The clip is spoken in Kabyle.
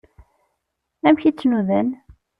Amek i tt-nudan?